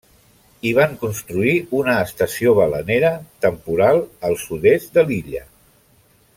Hi van construir una estació balenera temporal al sud-est de l'illa.